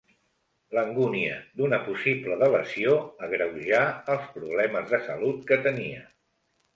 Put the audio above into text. L'angúnia d'una possible delació agreujà els problemes de salut que tenia.